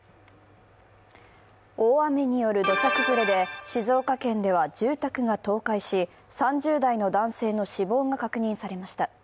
大雨による土砂崩れで静岡県では住宅が倒壊し、３０代の男性の死亡が確認されました。